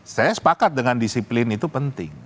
jadi menjalankan dengan disiplin itu penting